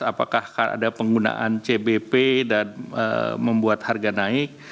apakah ada penggunaan cbp dan membuat harga naik